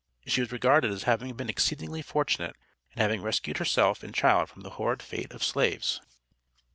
She was regarded as having been exceedingly fortunate in having rescued herself and child from the horrid fate of slaves.